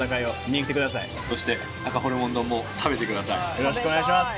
よろしくお願いします！